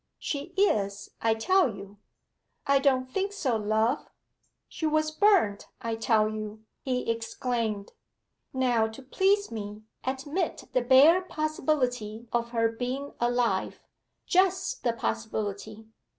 'She is, I tell you.' 'I don't think so, love.' 'She was burnt, I tell you!' he exclaimed. 'Now to please me, admit the bare possibility of her being alive just the possibility.